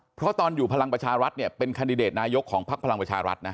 เพราะตอนอยู่พลังประชารัฐเนี่ยเป็นคันดิเดตนายกของพักพลังประชารัฐนะ